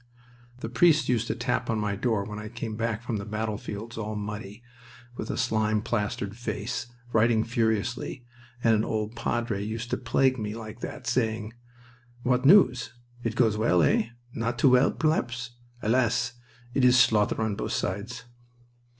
The priests used to tap at my door when I came back from the battlefields all muddy, with a slime plastered face, writing furiously, and an old padre used to plague me like that, saying: "What news? It goes well, eh? Not too well, perhaps! Alas! it is a slaughter on both sides."